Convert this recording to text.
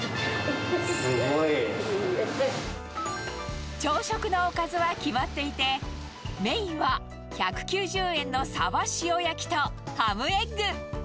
すごい。朝食のおかずは決まっていて、メインは１９０円のサバ塩焼きとハムエッグ。